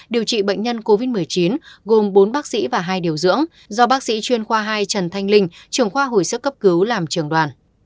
điều trị bệnh nhân covid một mươi chín gồm bốn bác sĩ và hai điều dưỡng do bác sĩ chuyên khoa hai trần thanh linh trưởng khoa hồi sức cấp cứu làm trường đoàn